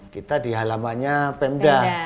kita di halamanya pemda